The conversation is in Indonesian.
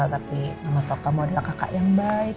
tapi mama tau kamu adalah kakak yang baik